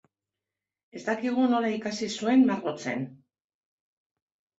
Ez dakigu nola ikasi zuen margotzen.